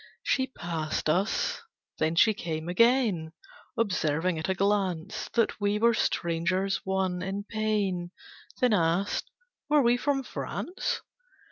She past us, then she came again, Observing at a glance That we were strangers; one, in pain, Then asked, Were we from France?